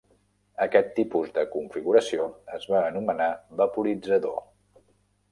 Aquest tipus de configuració es va anomenar vaporitzador.